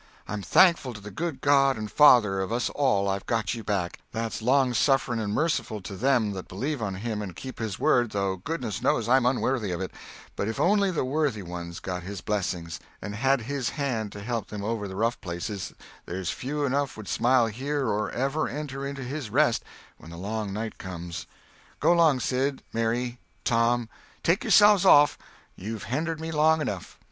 I'm thankful to the good God and Father of us all I've got you back, that's long suffering and merciful to them that believe on Him and keep His word, though goodness knows I'm unworthy of it, but if only the worthy ones got His blessings and had His hand to help them over the rough places, there's few enough would smile here or ever enter into His rest when the long night comes. Go 'long Sid, Mary, Tom—take yourselves off—you've hendered me long enough."